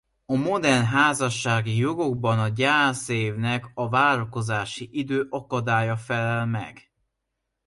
A modern házassági jogokban a gyászévnek a várakozási idő akadálya felel meg.